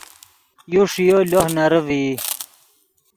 یو ݰییو لوہ نرے ڤئی